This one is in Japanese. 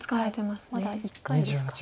まだ１回ですか。